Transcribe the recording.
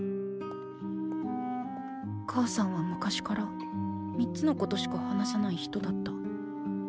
母さんは昔から３つのことしか話さない人だった。